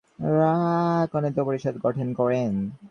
তিনি কন্নড় ভাষার উন্নতির জন্য কন্নড় পরিষদ গঠন করেন।